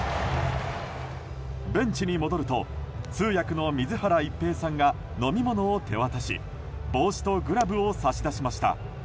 ベンチに戻ると通訳の水原一平さんが飲み物を手渡し帽子とグラブを差し出しました。